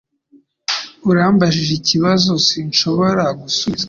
Urambajije ikibazo sinshobora gusubiza.